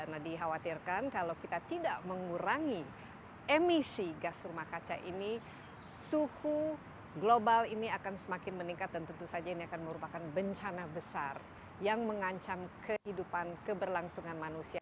karena dikhawatirkan kalau kita tidak mengurangi emisi gas rumah kaca ini suhu global ini akan semakin meningkat dan tentu saja ini akan merupakan bencana besar yang mengancam kehidupan keberlangsungan manusia